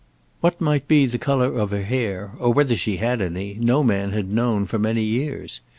What might be the colour of her hair, or whether she had any, no man had known for many years.